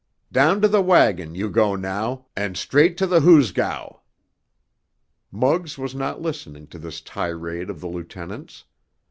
Down to the wagon you go now, and straight to the hoosgow!" Muggs was not listening to this tirade of the lieutenant's.